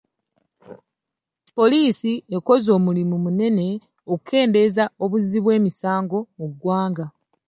Poliisi ekoze omulimu munene okukendeeza obuzzi bw'emisango mu ggwanga.